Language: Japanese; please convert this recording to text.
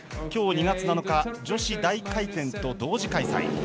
今日２月７日女子大回転と同時開催。